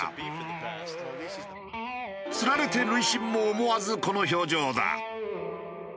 つられて塁審も思わずこの表情だ。